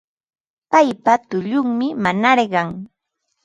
Paypa tullunmi nanarqan